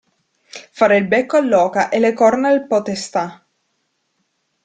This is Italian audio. Fare il becco all'oca e le corna al potestà.